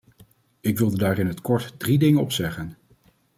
Ik wilde daar in het kort drie dingen op zeggen.